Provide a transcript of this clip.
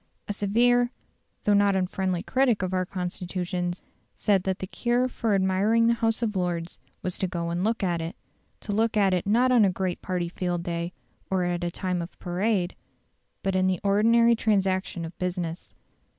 A severe though not unfriendly critic of our institutions said that "the cure for admiring the House of Lords was to go and look at it" to look at it not on a great party field day, or at a time of parade, but in the ordinary transaction of business.